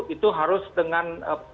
itu harus dengan